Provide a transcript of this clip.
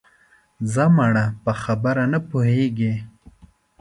ځه مړه په خبره نه پوهېږې